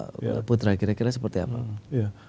mbak putra kira kira seperti apa